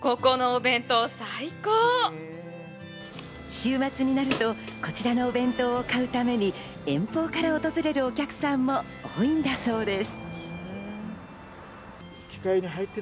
週末になると、こちらのお弁当を買うために、遠方から訪れるお客さんも多いんだそうです。